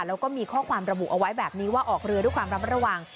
แล้วก็มีข้อความระบุเอาไว้แบบนี้ว่าออกเรือด้วยความรับระวัง